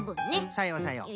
さようさよう。